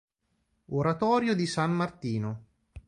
Oratorio di San Martino